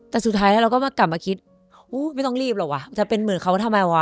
แต่สุดท้ายแล้วเราก็มากลับมาคิดไม่ต้องรีบหรอกว่ะจะเป็นหมื่นเขาทำไมวะ